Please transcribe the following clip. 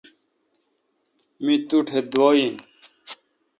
می تٹھ دعا این۔